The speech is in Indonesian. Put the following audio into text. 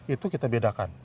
itu kita bedakan